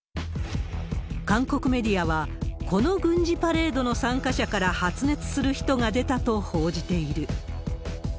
韓国メディアは、この軍事パレードの参加者から発熱する人が出たと報じている。